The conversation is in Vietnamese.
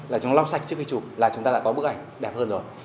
là chúng lau sạch trước khi chụp là chúng ta đã có bức ảnh đẹp hơn rồi